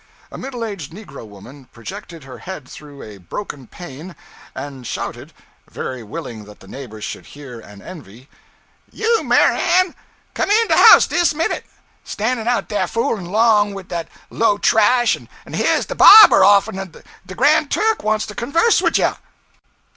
A middle aged negro woman projected her head through a broken pane and shouted (very willing that the neighbors should hear and envy), 'You Mary Ann, come in de house dis minute! Stannin' out dah foolin' 'long wid dat low trash, an' heah's de barber offn de "Gran' Turk" wants to conwerse wid you!'